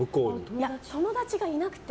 いや、友達がいなくて。